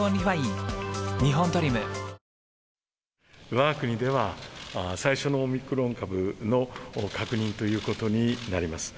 わが国では最初のオミクロン株の確認ということになります。